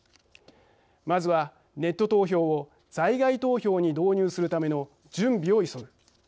まずは、ネット投票を在外投票に導入するための準備を急ぐ。